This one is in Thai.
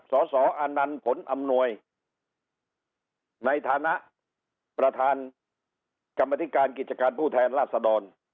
สสอานันต์ผลอำนวยในฐานะประธานกรรมธิการกิจการผู้แทนราชดร